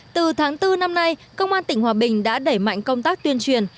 từ tháng bốn năm nay công an tỉnh hòa bình đã đẩy mạnh công tác tuyên truyền